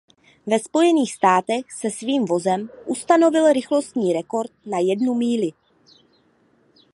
Ve Spojených státech se svým vozem ustanovil rychlostní rekord na jednu míli.